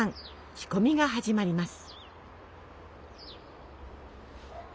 仕込みが始まります。